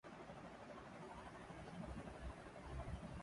جناب مجھے اس سے کوئی غرض نہیں کہ وہ صاحب کیا کرتے ہیں۔